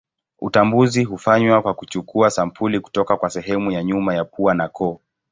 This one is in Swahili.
Utambuzi hufanywa kwa kuchukua sampuli kutoka kwa sehemu ya nyuma ya pua na koo.